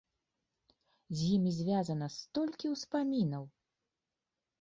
З імі звязана столькі ўспамінаў!